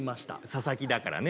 佐々木だからね。